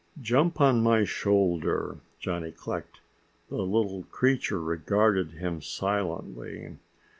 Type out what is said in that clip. "Jump on my shoulder," Johnny clicked. The little creature regarded him silently.